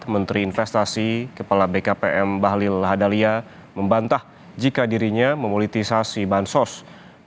menteri investasi kepala bkpm bahlilaha dalia membantah jika dirinya memolitisasi bantuan sosial